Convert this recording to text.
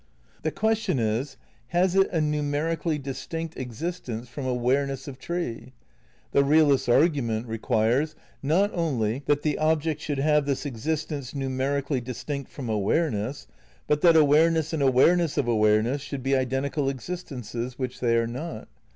The question is, has it a nimierically distinct exist ence from awareness of tree? The realist's argument requires not only that the object should have this exist ence numerically distinct from awareness, but that awareness and awareness of awareness should be iden tical existences, which they are not.